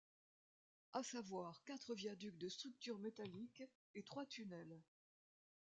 À savoir quatre viaducs de structure métallique et trois tunnels.